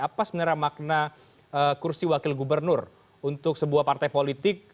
apa sebenarnya makna kursi wakil gubernur untuk sebuah partai politik